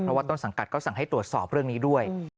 เพราะว่าต้นสังกัดก็สั่งให้ตรวจสอบเรื่องนี้ด้วย